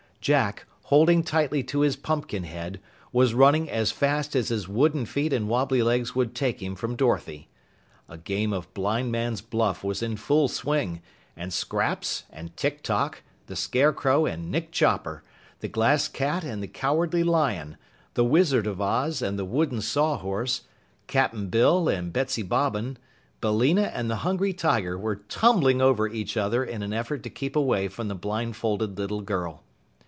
Jack, holding tightly to his pumpkin head, was running as fast as his wooden feet and wobbly legs would take him from Dorothy. A game of blind man's buff was in full swing, and Scraps and Tik Tok, the Scarecrow and Nick Chopper, the Glass Cat and the Cowardly Lion, the Wizard of Oz and the wooden Sawhorse, Cap'n Bill and Betsy Bobbin, Billina and the Hungry Tiger were tumbling over each other in an effort to keep away from the blindfolded little girl.